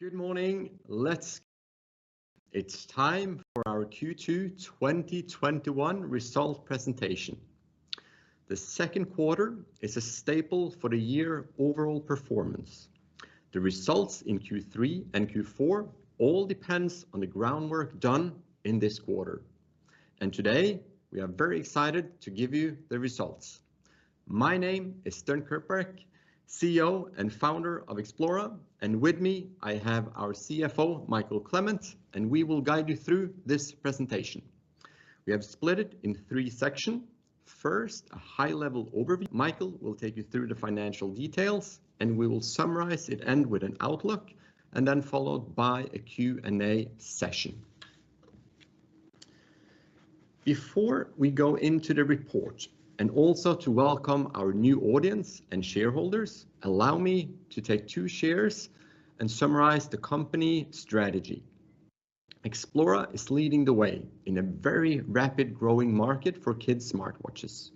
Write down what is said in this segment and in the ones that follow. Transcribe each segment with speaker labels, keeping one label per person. Speaker 1: Good morning. It's time for our Q2 2021 result presentation. The second quarter is a staple for the year overall performance. The results in Q3 and Q4 all depends on the groundwork done in this quarter. Today, we are very excited to give you the results. My name is Sten Kirkbak, CEO and founder of Xplora, and with me I have our CFO, Mikael Clement, and we will guide you through this presentation. We have split it in three section. First, a high-level overview. Mikael will take you through the financial details, and we will summarize it and with an outlook, and then followed by a Q&A session. Before we go into the report, and also to welcome our new audience and shareholders, allow me to take two shares and summarize the company strategy. Xplora is leading the way in a very rapid growing market for kids' smartwatches.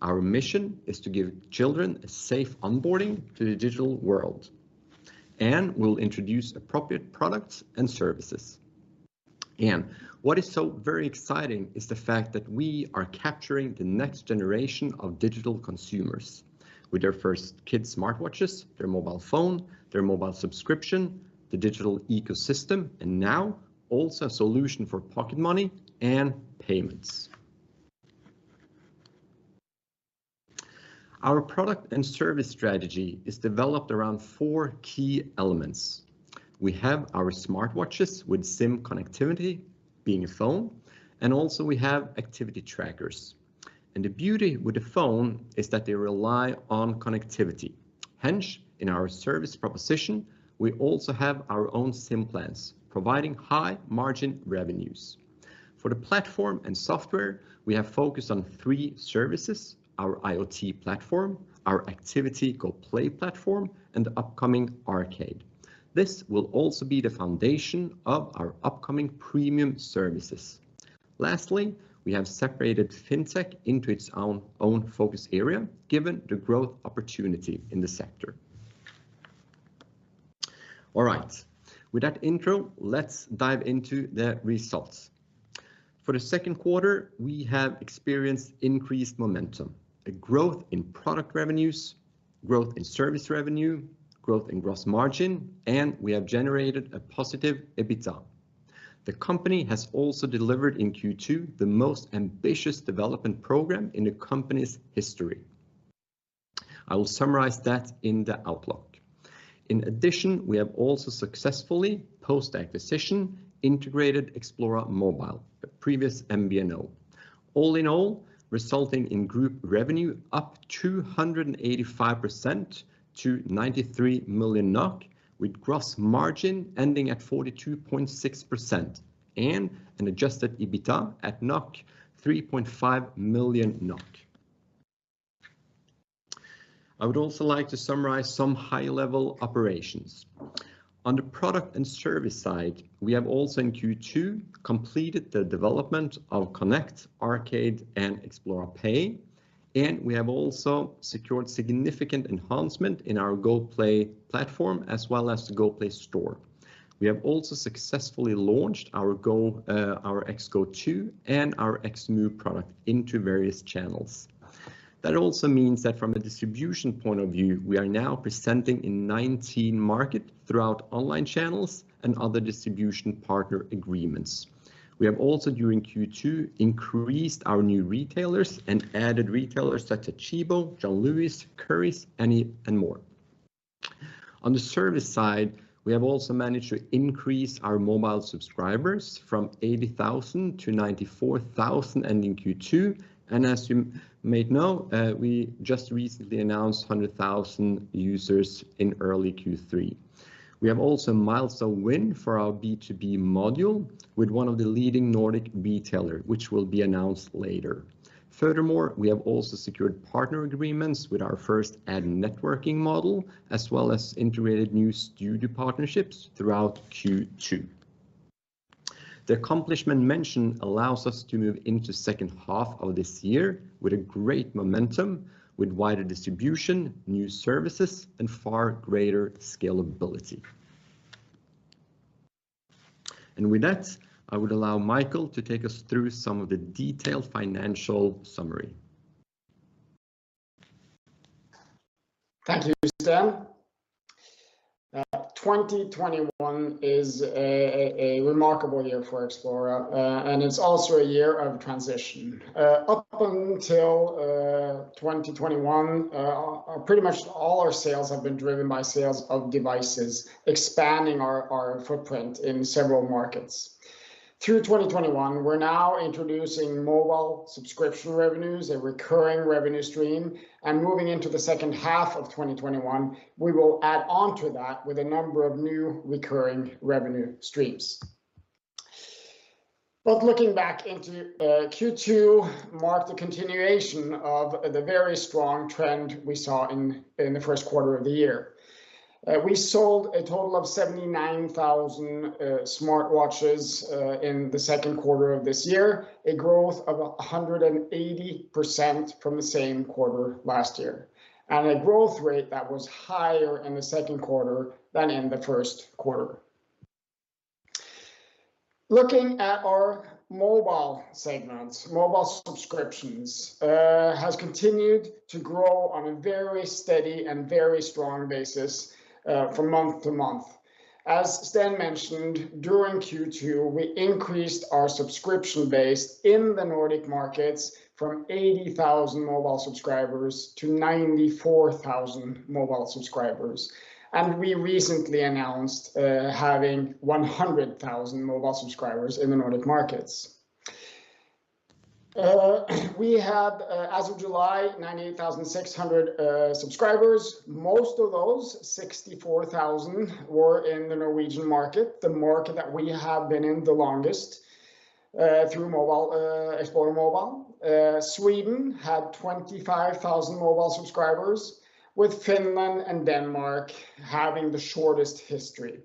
Speaker 1: Our mission is to give children a safe onboarding to the digital world, we'll introduce appropriate products and services. What is so very exciting is the fact that we are capturing the next generation of digital consumers with their first kids' smartwatches, their mobile phone, their mobile subscription, the digital ecosystem, and now also a solution for pocket money and payments. Our product and service strategy is developed around four key elements. We have our smartwatches with SIM connectivity, being a phone, and also we have activity trackers. The beauty with the phone is that they rely on connectivity. Hence, in our service proposition, we also have our own SIM plans, providing high margin revenues. For the platform and software, we have focused on three services, our IoT platform, our activity Goplay platform, and the upcoming Arcade. This will also be the foundation of our upcoming premium services. Lastly, we have separated Fintech into its own focus area, given the growth opportunity in the sector. All right. With that intro, let's dive into the results. For the second quarter, we have experienced increased momentum, a growth in product revenues, growth in service revenue, growth in gross margin, and we have generated a positive EBITDA. The company has also delivered in Q2 the most ambitious development program in the company's history. I will summarize that in the outlook. In addition, we have also successfully, post-acquisition, integrated Xplora Mobile, the previous MVNO. All in all, resulting in group revenue up 285% to 93 million NOK, with gross margin ending at 42.6%, and an adjusted EBITDA at 3.5 million NOK. I would also like to summarize some high-level operations. On the product and service side, we have also in Q2 completed the development of Connect, Arcade, and Xplora Pay, and we have also secured significant enhancement in our Goplay platform as well as the Goplay store. We have also successfully launched our XGO2 and our XMOVE product into various channels. That also means that from a distribution point of view, we are now presenting in 19 market throughout online channels and other distribution partner agreements. We have also, during Q2, increased our new retailers and added retailers such as Tchibo, John Lewis, Currys and more. On the service side, we have also managed to increase our mobile subscribers from 80,000 to 94,000 ending Q2. As you may know, we just recently announced 100,000 users in early Q3. We have also milestone win for our B2B module with one of the leading Nordic retailer, which will be announced later. Furthermore, we have also secured partner agreements with our first ad networking model, as well as integrated new studio partnerships throughout Q2. The accomplishment mentioned allows us to move into second half of this year with a great momentum with wider distribution, new services and far greater scalability. With that, I would allow Mikael to take us through some of the detailed financial summary.
Speaker 2: Thank you, Sten. 2021 is a remarkable year for Xplora, and it's also a year of transition. Up until 2021, pretty much all our sales have been driven by sales of devices, expanding our footprint in several markets. Through 2021, we're now introducing mobile subscription revenues, a recurring revenue stream, and moving into the second half of 2021, we will add on to that with a number of new recurring revenue streams. Looking back into Q2 marked the continuation of the very strong trend we saw in the first quarter of the year. We sold a total of 79,000 smartwatches in the second quarter of this year, a growth of 180% from the same quarter last year, and a growth rate that was higher in the second quarter than in the first quarter. Looking at our mobile segments, mobile subscriptions has continued to grow on a very steady and very strong basis from month-to-month. As Sten mentioned, during Q2, we increased our subscription base in the Nordic markets from 80,000 mobile subscribers to 94,000 mobile subscribers. We recently announced having 100,000 mobile subscribers in the Nordic markets. We have, as of July, 98,600 subscribers. Most of those, 64,000, were in the Norwegian market, the market that we have been in the longest, through Xplora Mobile. Sweden had 25,000 mobile subscribers, with Finland and Denmark having the shortest history.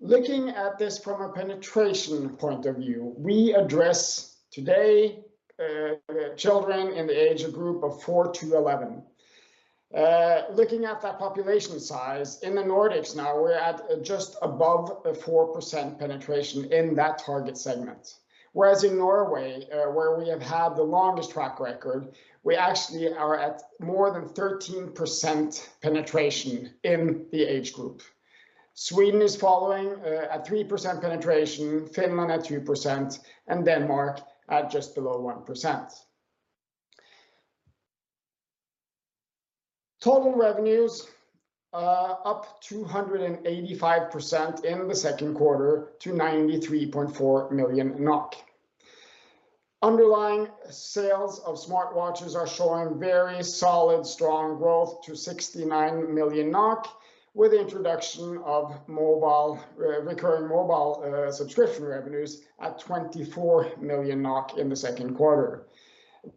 Speaker 2: Looking at this from a penetration point of view, we address today, children in the age group of 4-11. Looking at that population size in the Nordics now, we're at just above a 4% penetration in that target segment. Whereas in Norway, where we have had the longest track record, we actually are at more than 13% penetration in the age group. Sweden is following at 3% penetration, Finland at 2%, and Denmark at just below 1%. Total revenues up 285% in the second quarter to 93.4 million NOK. Underlying sales of smartwatches are showing very solid, strong growth to 69 million NOK, with the introduction of recurring mobile subscription revenues at 24 million NOK in the second quarter,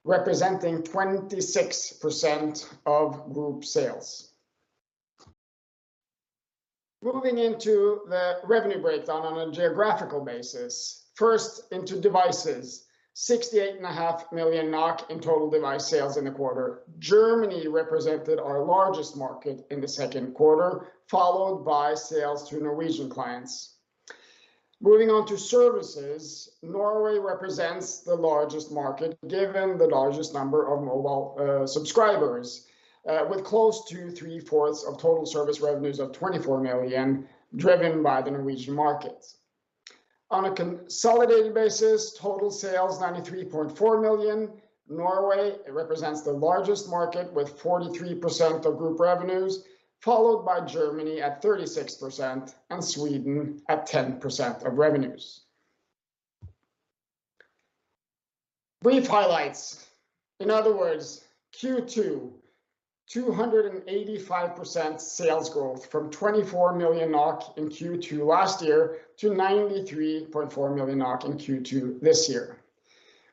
Speaker 2: representing 26% of group sales. Moving into the revenue breakdown on a geographical basis. First, into devices. 68.5 million NOK in total device sales in the quarter. Germany represented our largest market in the second quarter, followed by sales to Norwegian clients. Moving on to services, Norway represents the largest market, given the largest number of mobile subscribers, with close to 3/4 of total service revenues of 24 million driven by the Norwegian markets. On a consolidated basis, total sales 93.4 million. Norway represents the largest market with 43% of group revenues, followed by Germany at 36% and Sweden at 10% of revenues. Brief highlights. In other words, Q2, 285% sales growth from 24 million NOK in Q2 last year to 93.4 million NOK in Q2 this year.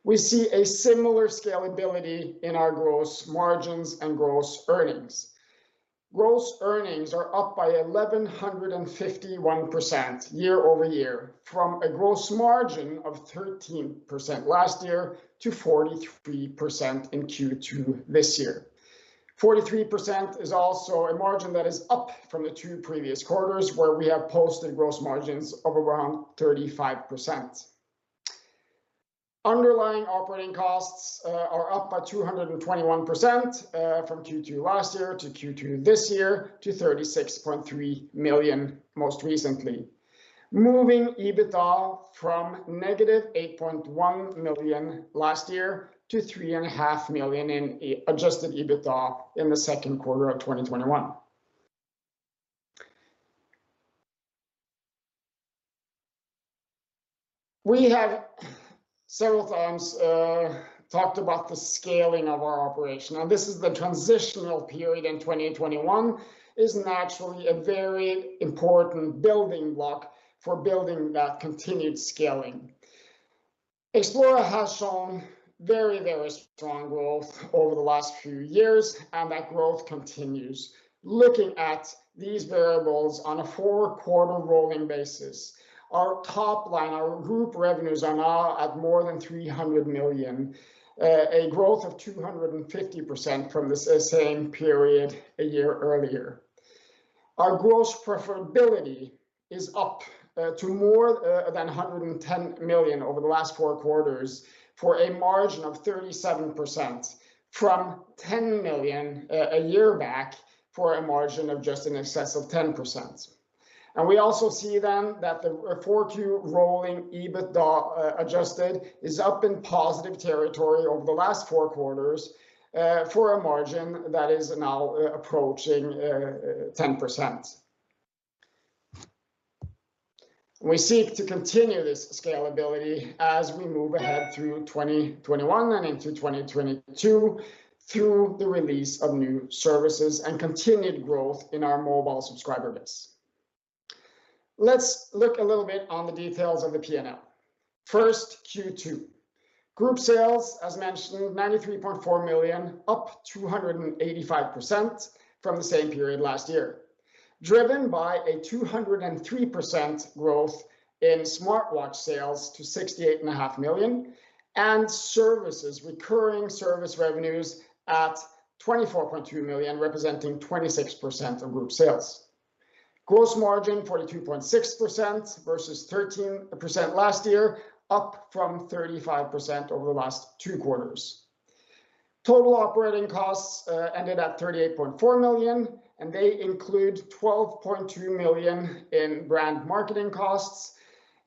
Speaker 2: We see a similar scalability in our gross margins and gross earnings. Gross earnings are up by 1,151% year-over-year from a gross margin of 13% last year to 43% in Q2 this year. 43% is also a margin that is up from the two previous quarters, where we have posted gross margins of around 35%. Underlying operating costs are up by 221% from Q2 last year to Q2 this year to 36.3 million, most recently. Moving EBITDA from -8.1 million last year to 3.5 Million in adjusted EBITDA in the second quarter of 2021. We have several times talked about the scaling of our operation. Now, this is the transitional period in 2021, is naturally a very important building block for building that continued scaling. Xplora has shown very, very strong growth over the last few years, and that growth continues. Looking at these variables on a four-quarter rolling basis, our top line, our group revenues are now at more than 300 million, a growth of 250% from the same period a year earlier. Our gross profitability is up to more than 110 million over the last four quarters for a margin of 37%, from 10 million a year back for a margin of just in excess of 10%. We also see then that the four-quarter rolling EBITDA adjusted is up in positive territory over the last four quarters for a margin that is now approaching 10%. We seek to continue this scalability as we move ahead through 2021 and into 2022 through the release of new services and continued growth in our mobile subscriber base. Let's look a little bit on the details of the P&L. First, Q2. Group sales, as mentioned, 93.4 million, up 285% from the same period last year, driven by a 203% growth in smartwatch sales to 68.5 million, and services, recurring service revenues, at 24.2 million, representing 26% of group sales. Gross margin 42.6% versus 13% last year, up from 35% over the last two quarters. Total operating costs ended at 38.4 million, and they include 12.2 million in brand marketing costs,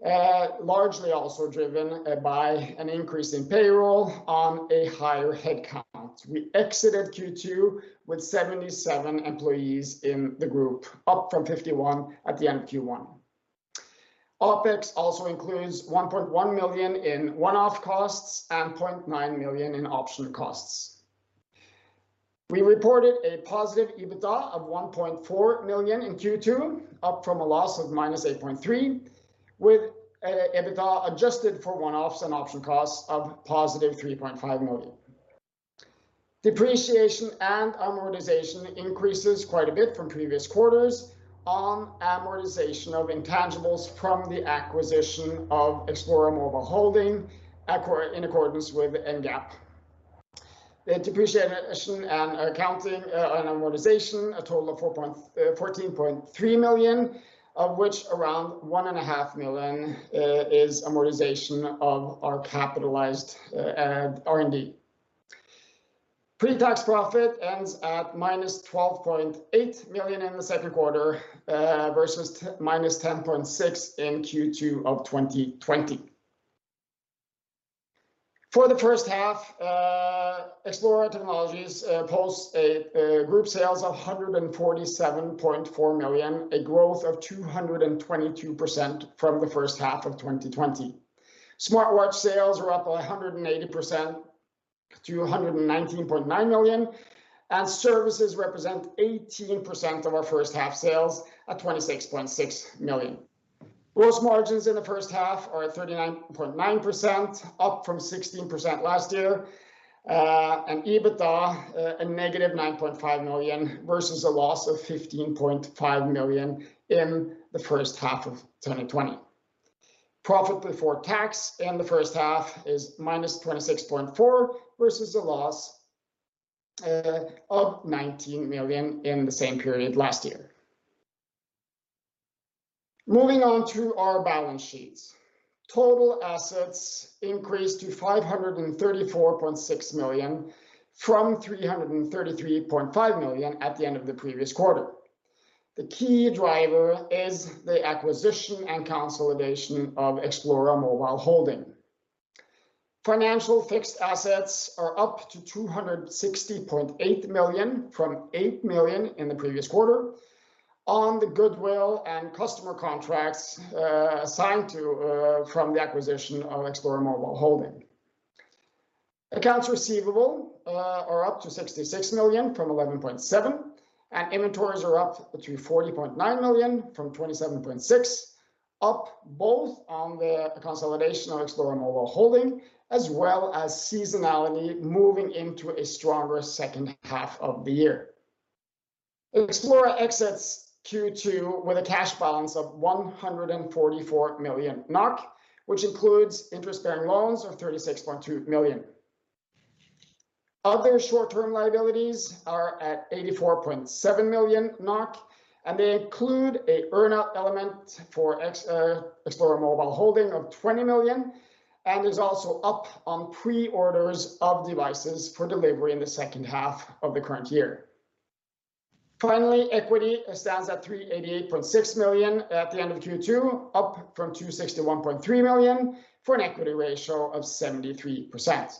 Speaker 2: largely also driven by an increase in payroll on a higher headcount. We exited Q2 with 77 employees in the group, up from 51 at the end of Q1. OpEx also includes 1.1 million in one-off costs and 0.9 million in option costs. We reported a positive EBITDA of 1.4 million in Q2, up from a loss of -8.3 million, with EBITDA adjusted for one-offs and option costs of positive 3.5 million. Depreciation and amortization increases quite a bit from previous quarters on amortization of intangibles from the acquisition of Xplora Mobile Holding in accordance with NGAAP. The depreciation and amortization a total of 14.3 million, of which around 1.5 million is amortization of our capitalized R&D. Pre-tax profit ends at -12.8 million in the second quarter, versus -10.6 million in Q2 of 2020. For the first half, Xplora Technologies posts a group sales of 147.4 million, a growth of 222% from the first half of 2020. Smartwatch sales were up 180% to 119.9 million, and services represent 18% of our first half sales at 26.6 million. Gross margins in the first half are 39.9%, up from 16% last year, and EBITDA -9.5 million versus a loss of 15.5 million in the first half of 2020. Profit before tax in the first half is -26.4 versus a loss of 19 million in the same period last year. Moving on to our balance sheets. Total assets increased to 534.6 million from 333.5 million at the end of the previous quarter. The key driver is the acquisition and consolidation of Xplora Mobile Holding. Financial fixed assets are up to 260.8 million from 8 million in the previous quarter on the goodwill and customer contracts assigned to from the acquisition of Xplora Mobile Holding. Accounts receivable are up to 66 million from 11.7 million, and inventories are up to 40.9 million from 27.6 million, up both on the consolidation of Xplora Mobile Holding, as well as seasonality moving into a stronger second half of the year. Xplora exits Q2 with a cash balance of 144 million NOK, which includes interest-bearing loans of 36.2 million. Other short-term liabilities are at 84.7 million NOK, and they include a earn-out element for Xplora Mobile Holding of 20 million and is also up on pre-orders of devices for delivery in the second half of the current year. Equity stands at 388.6 million at the end of Q2, up from 261.3 million, for an equity ratio of 73%.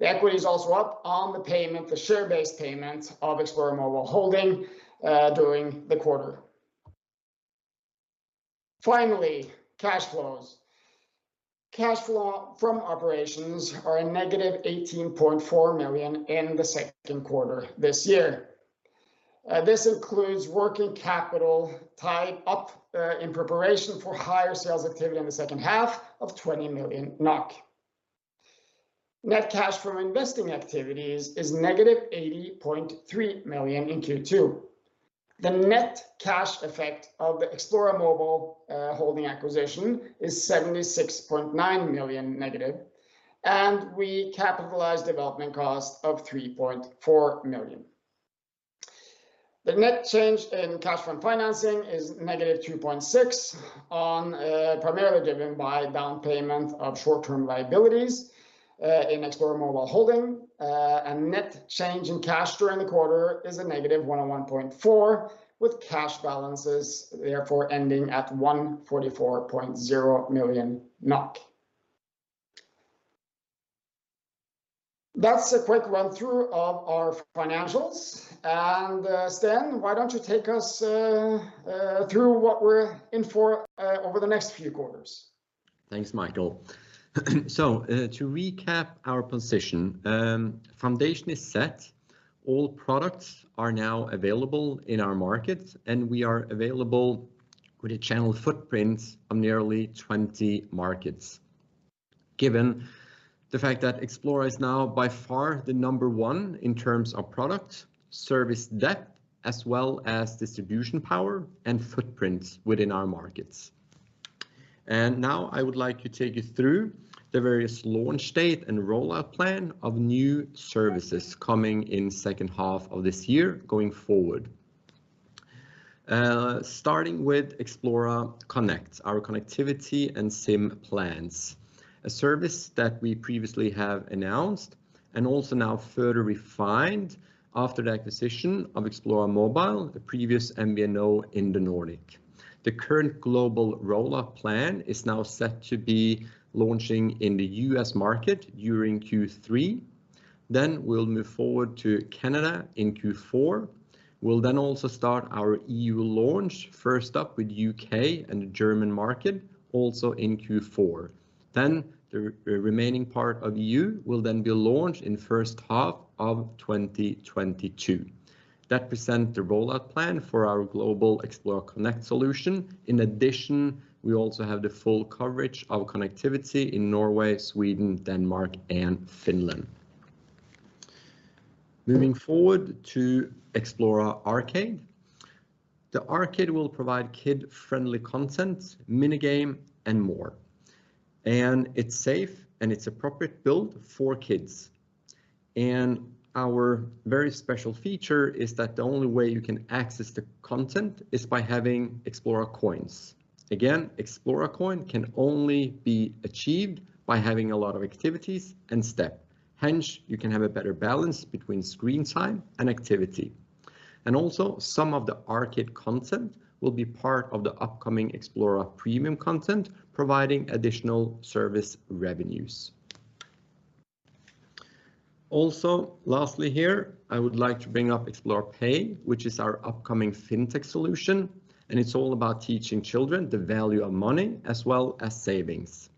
Speaker 2: The equity is also up on the payment, the share-based payment of Xplora Mobile Holding, during the quarter. Finally, cash flows. Cash flow from operations are -18.4 million in the second quarter this year. This includes working capital tied up in preparation for higher sales activity in the second half of 20 million NOK. Net cash from investing activities is -80.3 million in Q2. The net cash effect of the Xplora Mobile Holding acquisition is -76.9 million, and we capitalize development cost of 3.4 million. The net change in cash from financing is -2.6, primarily driven by down payment of short-term liabilities, in Xplora Mobile Holding, and net change in cash during the quarter is -101.4, with cash balances therefore ending at 144.0 million NOK. That's a quick run-through of our financials. Sten, why don't you take us through what we're in for over the next few quarters?
Speaker 1: Thanks, Mikael. To recap our position, foundation is set. All products are now available in our markets, and we are available with a channel footprint of nearly 20 markets. Given the fact that Xplora is now by far the number one in terms of product, service depth, as well as distribution power and footprint within our markets. Now I would like to take you through the various launch date and rollout plan of new services coming in second half of this year going forward. Starting with Xplora Connect, our connectivity and SIM plans. A service that we previously have announced and also now further refined after the acquisition of Xplora Mobile, the previous MVNO in the Nordic. The current global rollout plan is now set to be launching in the U.S. market during Q3. We'll move forward to Canada in Q4. We'll then also start our EU launch, first up with U.K. and the German market, also in Q4. The remaining part of EU will then be launched in first half of 2022. That present the rollout plan for our global Xplora Connect solution. In addition, we also have the full coverage of connectivity in Norway, Sweden, Denmark, and Finland. Moving forward to Xplora Arcade. The Arcade will provide kid-friendly content, mini game, and more. It's safe and it's appropriate built for kids. Our very special feature is that the only way you can access the content is by having Xplora Coins. Again, Xplora Coin can only be achieved by having a lot of activities and step. Hence, you can have a better balance between screen time and activity. Also some of the Arcade content will be part of the upcoming Xplora premium content, providing additional service revenues. Lastly here, I would like to bring up Xplora Pay, which is our upcoming Fintech solution, and it's all about teaching children the value of money as well as savings.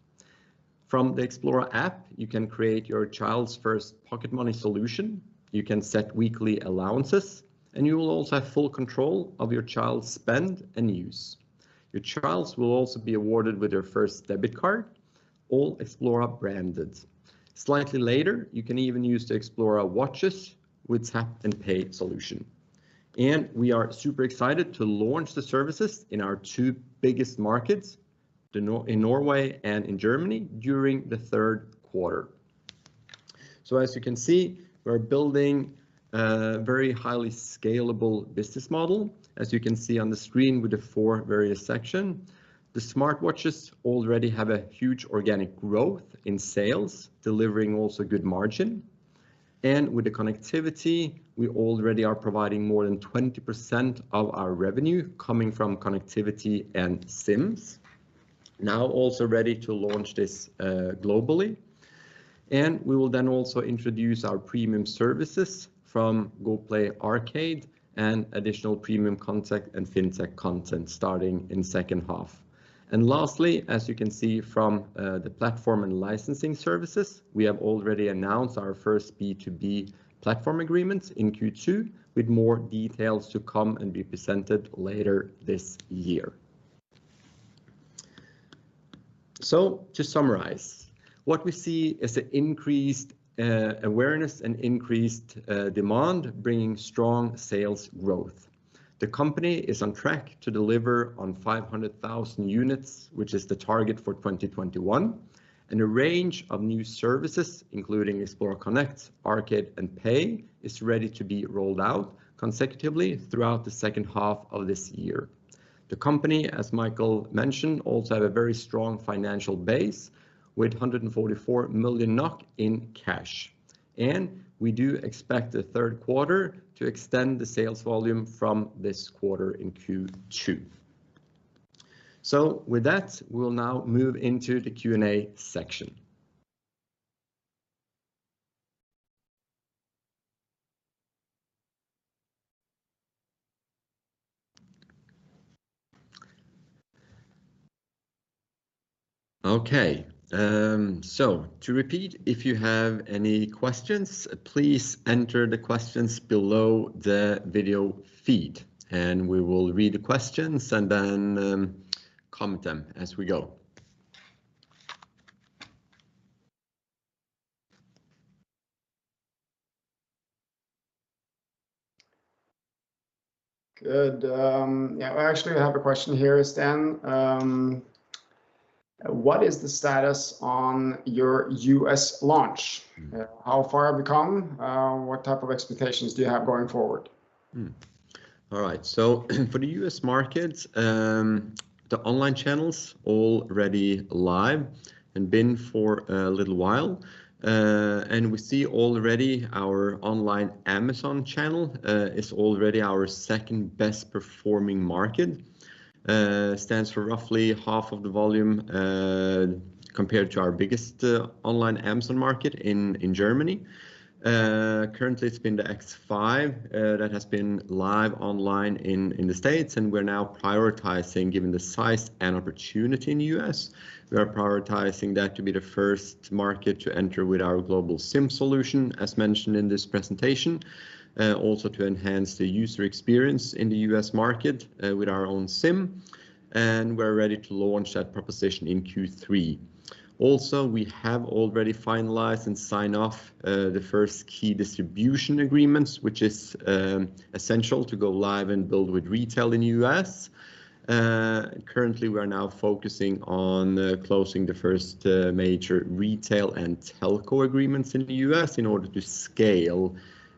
Speaker 1: From the Xplora app, you can create your child's first pocket money solution. You can set weekly allowances, and you will also have full control of your child's spend and use. Your child will also be awarded with their first debit card, all Xplora branded. Slightly later, you can even use the Xplora watches with tap-and-pay solution. We are super excited to launch the services in our two biggest markets, in Norway and in Germany, during the third quarter. As you can see, we're building a very highly scalable business model. As you can see on the screen with the four various section. The smartwatches already have a huge organic growth in sales, delivering also good margin. With the connectivity, we already are providing more than 20% of our revenue coming from connectivity and SIMs. Now also ready to launch this globally. We will then also introduce our premium services from Goplay Arcade and additional premium content and Fintech content starting in second half. Lastly, as you can see from the platform and licensing services, we have already announced our first B2B platform agreements in Q2 with more details to come and be presented later this year. To summarize, what we see is an increased awareness and increased demand, bringing strong sales growth. The company is on track to deliver on 500,000 units, which is the target for 2021. A range of new services, including Xplora Connect, Xplora Arcade, and Xplor Pay, is ready to be rolled out consecutively throughout the second half of this year. The company, as Mikael mentioned, also have a very strong financial base with 144 million NOK in cash. We do expect the third quarter to extend the sales volume from this quarter in Q2. With that, we'll now move into the Q&A section. Okay. To repeat, if you have any questions, please enter the questions below the video feed, and we will read the questions and then comment them as we go.
Speaker 2: Good. Yeah, I actually have a question here, Sten. What is the status on your U.S. launch? How far have you come? What type of expectations do you have going forward?
Speaker 1: All right. For the U.S. markets, the online channels already live and been for a little while. We see already our online Amazon channel, is already our second-best performing market. Stands for roughly half of the volume, compared to our biggest online Amazon market in Germany. Currently, it's been the X5 that has been live online in the U.S., and we're now prioritizing, given the size and opportunity in the U.S., we are prioritizing that to be the first market to enter with our global SIM solution, as mentioned in this presentation, also to enhance the user experience in the U.S. market, with our own SIM. We're ready to launch that proposition in Q3. We have already finalized and signed off the first key distribution agreements, which is essential to go live and build with retail in the U.S. Currently, we are now focusing on closing the first major retail and telco agreements in the U.S. in order to scale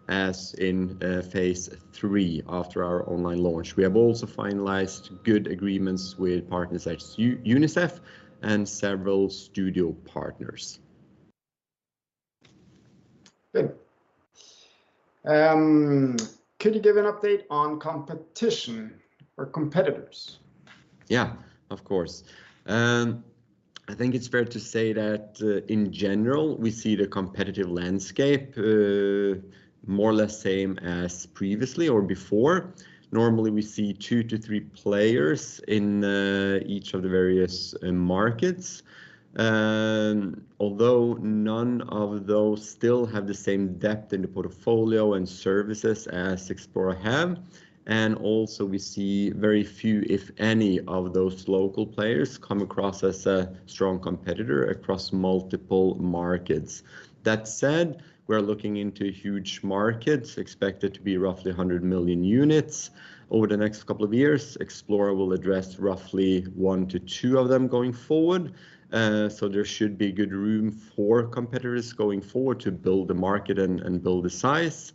Speaker 1: as in phase III after our online launch. We have also finalized good agreements with partners such as UNICEF and several studio partners.
Speaker 2: Good. Could you give an update on competition or competitors?
Speaker 1: Yeah, of course. I think it's fair to say that in general, we see the competitive landscape more or less same as previously or before. Normally, we see two players-threeplayers in each of the various markets, although none of those still have the same depth in the portfolio and services as Xplora have. Also we see very few, if any, of those local players come across as a strong competitor across multiple markets. That said, we're looking into huge markets, expected to be roughly 100 million units over the next couple of years. Xplora will address roughly one-two of them going forward. There should be good room for competitors going forward to build the market and build the size.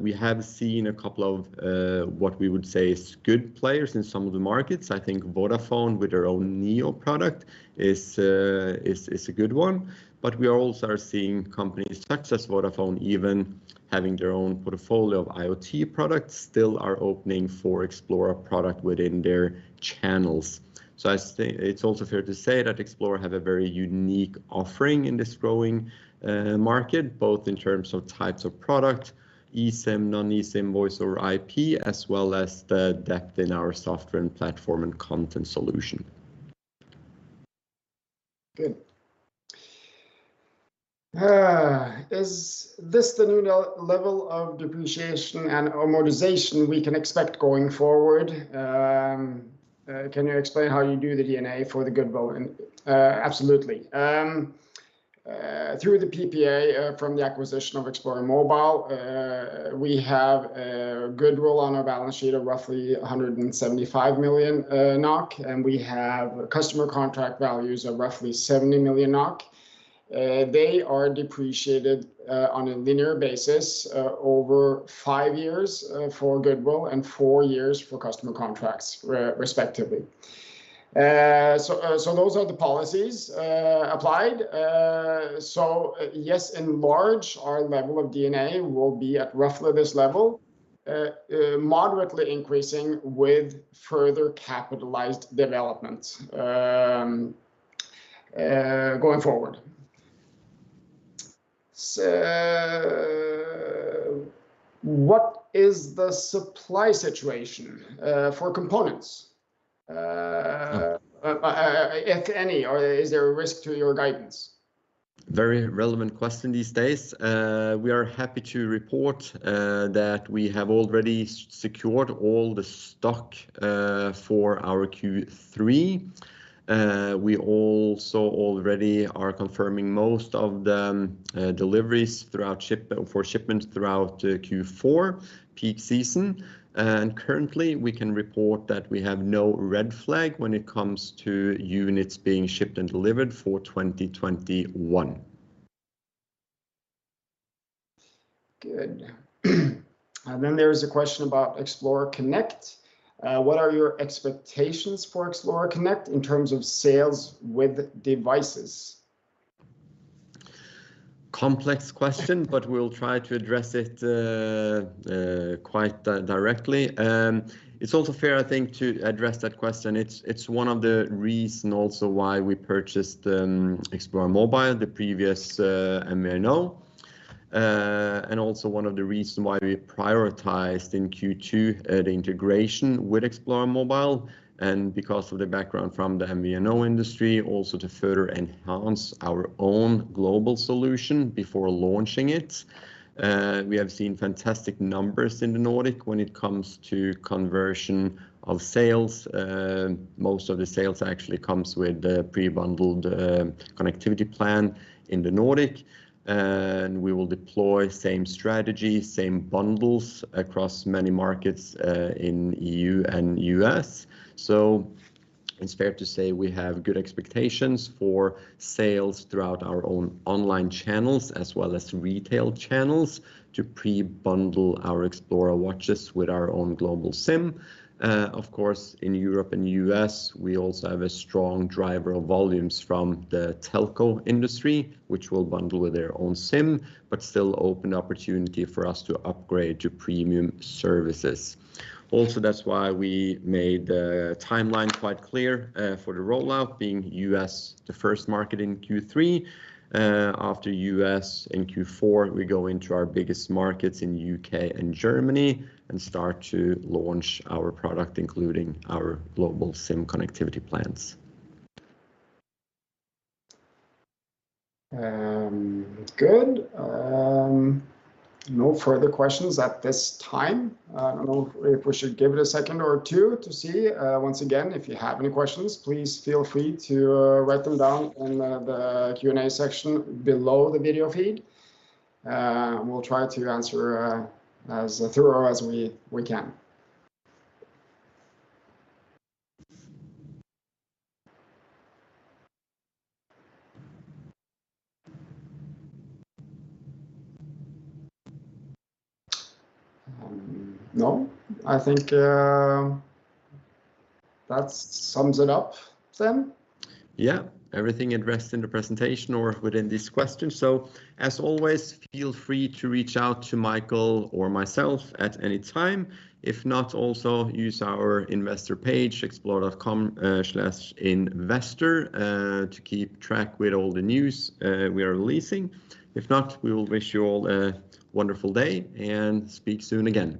Speaker 1: We have seen a couple of what we would say is good players in some of the markets. I think Vodafone with their own Neo product is a good one. We are also seeing companies such as Vodafone, even having their own portfolio of IoT products, still are opening for Xplora product within their channels. It's also fair to say that Xplora have a very unique offering in this growing market, both in terms of types of product, eSIM, non-eSIM, voice or IP, as well as the depth in our software and platform and content solution.
Speaker 2: Good. Is this the new level of depreciation and amortization we can expect going forward? Can you explain how you do the D&A for the goodwill? Absolutely. Through the PPA from the acquisition of Xplora Mobile, we have a goodwill on our balance sheet of roughly 175 million NOK, and we have customer contract values of roughly 70 million NOK. They are depreciated on a linear basis over five years for goodwill and four years for customer contracts, respectively. Those are the policies applied. Yes, in large, our level of D&A will be at roughly this level, moderately increasing with further capitalized developments going forward. What is the supply situation for components? If any, is there a risk to your guidance?
Speaker 1: Very relevant question these days. We are happy to report that we have already secured all the stock for our Q3. We also already are confirming most of the deliveries for shipment throughout Q4 peak season. Currently, we can report that we have no red flag when it comes to units being shipped and delivered for 2021.
Speaker 2: Good. There is a question about Xplora Connect. What are your expectations for Xplora Connect in terms of sales with devices?
Speaker 1: Complex question, but we'll try to address it quite directly. It's also fair, I think, to address that question. It's one of the reason also why we purchased Xplora Mobile, the previous MVNO, and also one of the reason why we prioritized in Q2 the integration with Xplora Mobile, and because of the background from the MVNO industry, also to further enhance our own global solution before launching it. We have seen fantastic numbers in the Nordic when it comes to conversion of sales. Most of the sales actually comes with pre-bundled connectivity plan in the Nordic. We will deploy same strategy, same bundles across many markets in E.U. and U.S. It's fair to say we have good expectations for sales throughout our own online channels as well as retail channels to pre-bundle our Xplora watches with our own global SIM. Of course, in Europe and U.S., we also have a strong driver of volumes from the telco industry, which will bundle with their own SIM, but still open opportunity for us to upgrade to premium services. That's why we made the timeline quite clear for the rollout, being U.S. the first market in Q3. After U.S. in Q4, we go into our biggest markets in U.K. and Germany and start to launch our product, including our global SIM connectivity plans.
Speaker 2: Good. No further questions at this time. I don't know if we should give it a second or two to see. Once again, if you have any questions, please feel free to write them down in the Q&A section below the video feed. We'll try to answer as thorough as we can. No, I think that sums it up, Sten.
Speaker 1: Yeah. Everything addressed in the presentation or within these questions. As always, feel free to reach out to Mikael or myself at any time. Also use our investor page, xplora.com/investor, to keep track with all the news we are releasing. We will wish you all a wonderful day and speak soon again.